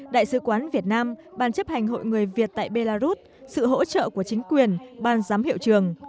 đại sứ quán việt nam ban chấp hành hội người việt tại belarus sự hỗ trợ của chính quyền ban giám hiệu trường